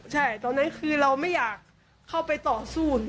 เราคือเราไม่อยากเข้าไปต่อสู้แน่